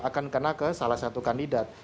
akan kena ke salah satu kandidat